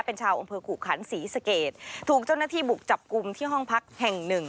เป็นชาวอำเภอขู่ขันศรีสเกตถูกเจ้าหน้าที่บุกจับกลุ่มที่ห้องพักแห่งหนึ่ง